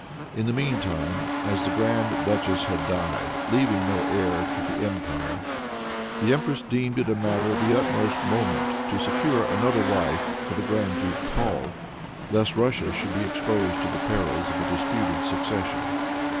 In the meantime, as the grand duchess had died, leaving no heir to the empire, the empress deemed it a matter of the utmost moment to secure another wife for the Grand Duke Paul, lest Russia should be exposed to the perils of a disputed succession.